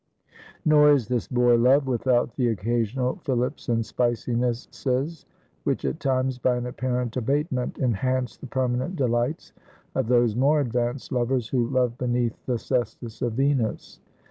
Nor is this boy love without the occasional fillips and spicinesses, which at times, by an apparent abatement, enhance the permanent delights of those more advanced lovers who love beneath the cestus of Venus.